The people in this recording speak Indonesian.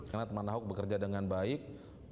karena teman ahok bekerja dengan baik